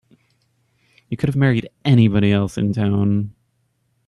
You could have married anybody else in town.